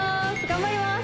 頑張ります